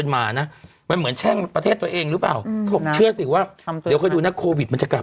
มันเหมือนแช่งประเทศตัวเองแล้วนะ